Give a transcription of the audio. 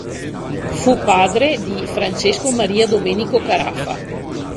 Fu padre di Francesco Maria Domenico Carafa.